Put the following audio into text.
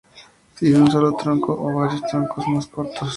Tiene un solo tronco, o varios troncos más cortos.